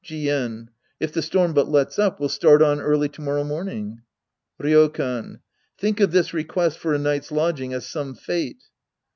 Jien. If the storm but lets up, we'll start on early to morrow morning. Ryokan. Think of this request for a night's lodg ing as some fate.